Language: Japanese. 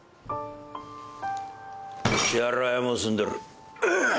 支払いはもう済んでる。